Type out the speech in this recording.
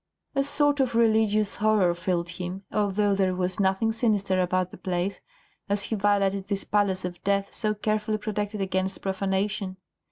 A sort of religious horror filled him, although there was nothing sinister about the place, as he violated this palace of death so carefully protected against profanation.